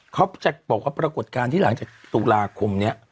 เขาบอกว่าปรากฏการณ์ที่หลังจากตุลาคมนี้